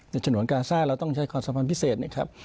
ฉนวนกาซ่าเราต้องใช้ความสัมพันธ์พิเศษนะครับ